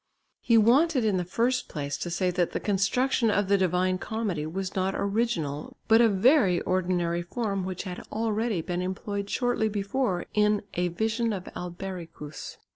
He wanted in the first place to say that the construction of the Divine Comedy was not original, but a very ordinary form which had already been employed shortly before in the Vision of Albericus.